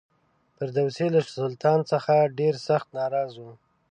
فردوسي له سلطان څخه ډېر سخت ناراض و.